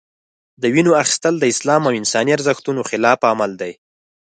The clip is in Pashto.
د وینو اخیستل د اسلام او انساني ارزښتونو خلاف عمل دی.